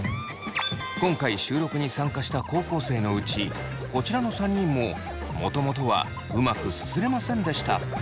今回収録に参加した高校生のうちこちらの３人ももともとはうまくすすれませんでした。